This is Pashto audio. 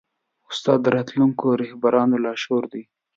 استاد د راتلونکو رهبرانو لارښود وي.